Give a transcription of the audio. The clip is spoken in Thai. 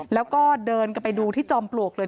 แล้วก็เดินกันไปดูที่จอมปลวกเลย